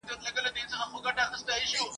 چي تر څو وطن ځنګل وي، د لېوانو حکومت وي ..